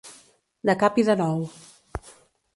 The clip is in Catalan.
De cap i de nou.